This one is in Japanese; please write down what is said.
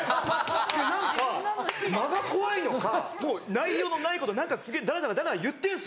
で何か間が怖いのかもう内容のないこと何かすげぇダラダラダラダラ言ってるんですよ。